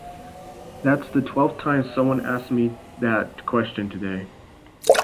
That's the twelfth time someone's asked me that question today.